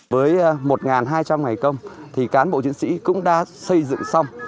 với một hai trăm linh ngày công thì cán bộ chiến sĩ cũng đã xây dựng xong